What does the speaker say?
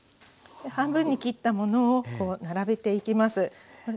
半分に切ったものを並べていきます。